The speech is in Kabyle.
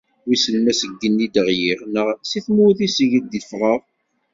Wissen ma seg yigenni i d-ɣliɣ neɣ si tmurt iseg i d-ffɣeɣ.